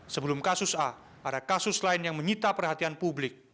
sebelum kasus a ada kasus lain yang menyita perhatian publik